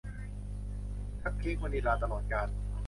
คัพเค้กวานิลลาตลอดกาล